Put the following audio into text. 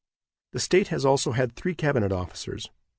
The state has also had three cabinet officers.